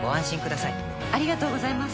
ありがとうございます。